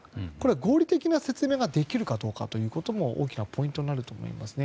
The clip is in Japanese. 合理的な説明ができるかということも大きなポイントになると思いますね。